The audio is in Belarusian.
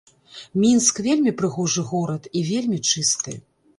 Мінск вельмі прыгожы горад і вельмі чысты.